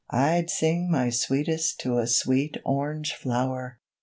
I'd sing my sweetest to a sweet Orange flower!